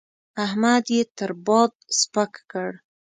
احمد يې تر باد سپک کړ.